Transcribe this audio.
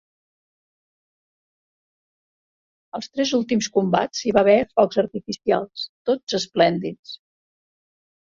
Als tres últims combats hi va haver focs artificials, tots esplèndids.